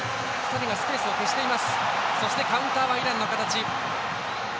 ２人がスペースを消しています。